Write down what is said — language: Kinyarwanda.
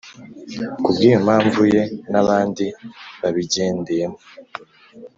kubwiyo mpamvu ye nabandi babigende yemo